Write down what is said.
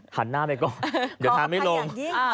หันหน้าไปก่อนเดี๋ยวทานไม่ลง